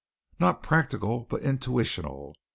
"Not practical, but intuitional.